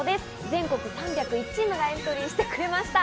全国３０１チームがエントリーしてくれました。